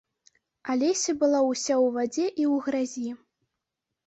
Алеся была ўся ў вадзе і ў гразі.